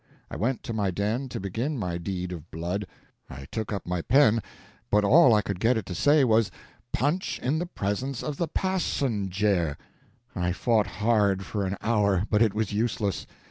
I went to my den to begin my deed of blood. I took up my pen, but all I could get it to say was, "Punch in the presence of the passenjare." I fought hard for an hour, but it was useless.